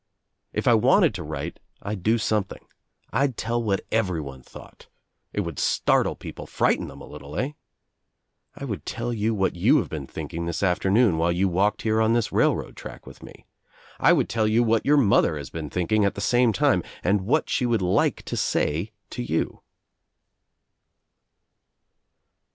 If I wanted to write I'd do something. I'd tell what everyone thought. It would startle people, frighten them a little, eh? I would tell you what you have been thinking this after noon while you walked here on this railroad track with me. I would tell you what your mother has been thinking at the same time and what she would like to say to you."